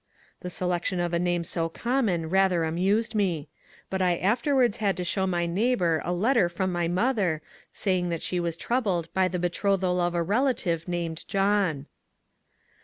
The selection of a name so common rather amused me ; but I afterwards had to show my neighbour a letter from my mother saying that she was troubled by the betrothal of a relative named John.